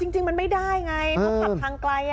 จริงมันไม่ได้ไงต้องขับทางไกล